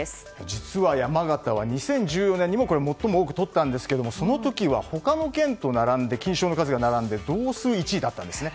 実は山形は２０１４年にも最も多くとったんですがその時は、他の県と金賞の数が並んで同数１位だったんです。